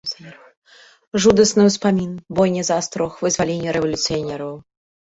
Жудасны ўспамін, бойня за астрог, вызваленне рэвалюцыянераў.